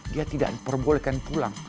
dia tidak diperbolehkan pulang